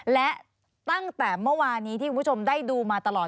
และตั้งแต่เมื่อวานนี้ที่คุณผู้ชมได้ดูมาตลอด